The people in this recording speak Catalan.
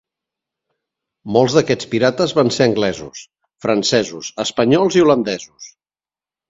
Molts d'aquests pirates van ser anglesos, francesos, espanyols i holandesos.